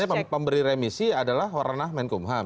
tapi masalahnya pemberi remisi adalah waranah kemenkum ham